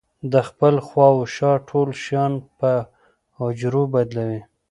د خپل خواوشا ټول شيان په چرو بدلوي.